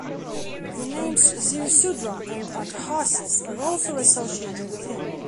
The names Ziusudra and Atrahasis are also associated with him.